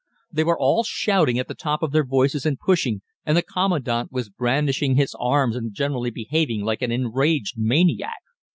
They were all shouting at the top of their voices and pushing, and the Commandant was brandishing his arms and generally behaving like an enraged maniac.